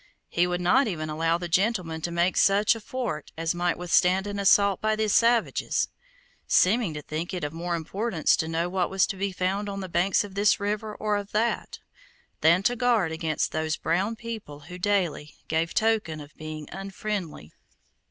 He would not even allow the gentlemen to make such a fort as might withstand an assault by the savages, seeming to think it of more importance to know what was to be found on the banks of this river or of that, than to guard against those brown people who daily gave token of being unfriendly.